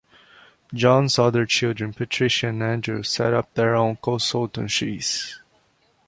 John's other children, Patricia and Andrew, set up their own consultancies.